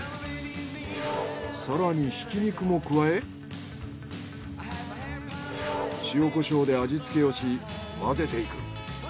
更にひき肉も加え塩・コショウで味付けをし混ぜていく。